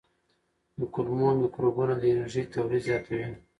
د کولمو مایکروبونه د انرژۍ تولید زیاتوي.